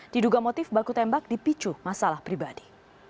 diduga motif baku tembak dipicu masalah pribadi